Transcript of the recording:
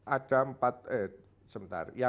ada empat eh sebentar